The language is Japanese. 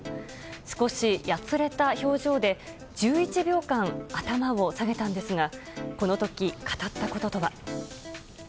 少しやつれた表情で１１秒間、頭を下げたんですがこの時、語ったこととは。